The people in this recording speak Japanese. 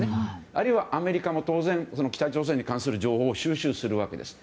あるいはアメリカも当然北朝鮮に関する情報を収集するわけです。